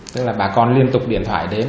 tức là bà con liên tục điện thoại đến